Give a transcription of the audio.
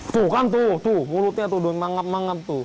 tuh kan tuh mulutnya tuh udah mangap mangap tuh